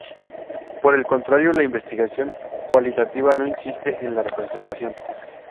Por el contrario, la investigación cualitativa no insiste en la representación.